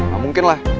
gak mungkin lah